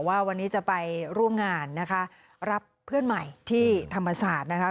ว่าวันนี้จะไปร่วมงานนะคะรับเพื่อนใหม่ที่ธรรมศาสตร์นะคะ